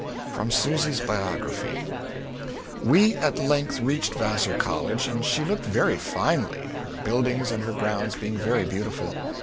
From Susy's Biography. We at length reached Vassar College and she looked very finely, her buildings and her grounds being very beautiful.